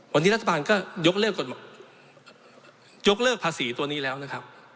วันนี้รัฐบาลก็ยกเลิกยกเลิกภาษีตัวนี้แล้วนะครับ